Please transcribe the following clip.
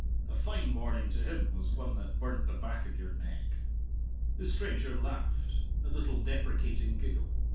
A fine morning to him was one that burnt the back of your neck. The stranger laughed: a little deprecating giggle.